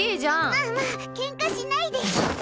まあまあ、けんかしないで。